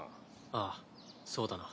ああそうだな。